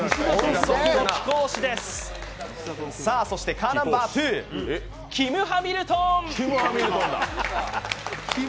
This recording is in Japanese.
カーナンバー２、キム・ハミルトン。